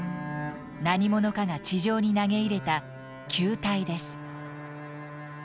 何者かが地上に投げ入れた球体です。